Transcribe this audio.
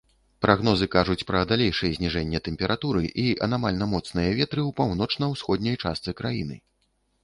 Прагнозы кажуць пра далейшае зніжэнне тэмпературы і анамальна моцныя ветры ў паўночна-ўсходняй частцы краіны.